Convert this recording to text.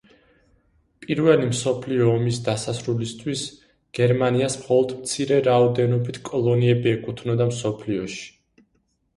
პირველი მსოფლიო ომის დასასრულისთვის გერმანიას მხოლოდ მცირე რაოდენობით კოლონიები ეკუთვნოდა მსოფლიოში.